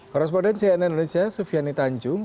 korresponden cnn indonesia sufiani tanjung